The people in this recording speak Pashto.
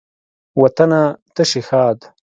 وطنه ته شي ښاد